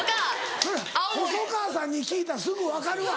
それ細川さんに聞いたらすぐ分かるわ。